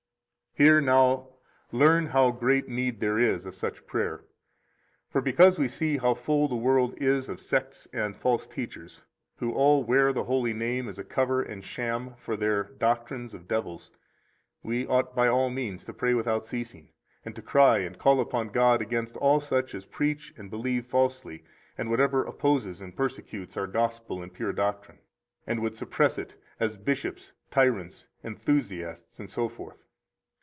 47 Here, now, learn how great need there is of such prayer. For because we see how full the world is of sects and false teachers, who all wear the holy name as a cover and sham for their doctrines of devils, we ought by all means to pray without ceasing, and to cry and call upon God against all such as preach and believe falsely and whatever opposes and persecutes our Gospel and pure doctrine, and would suppress it, as bishops, tyrants, enthusiasts, etc.